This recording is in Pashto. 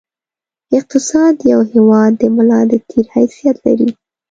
اقتصاد د یوه هېواد د ملا د تېر حیثیت لري.